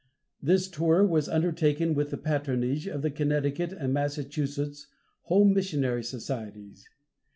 This tour was undertaken under the patronage of the Connecticut and Massachusetts Home Missionary Societies.